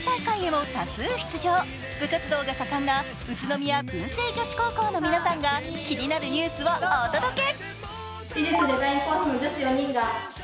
部活動が盛んな、宇都宮文星女子高校の皆さんが、気になるニュースをお届け！